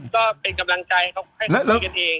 ก็เป็นกำลังใจให้กับพี่กันเอง